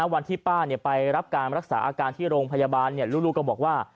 วันที่ป้าไปรับการรักษาอาการที่โรงพยาบาลลูกก็บอกว่า